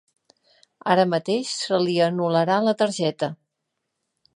Ara mateix se li anul·larà la targeta.